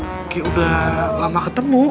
kayaknya udah lama ketemu